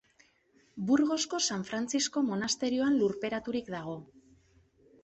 Burgosko San Frantzisko monasterioan lurperaturik dago.